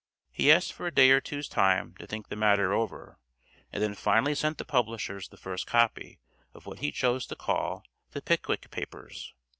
He asked for a day or two's time to think the matter over, and then finally sent the publishers the first copy of what he chose to call the "Pickwick Papers."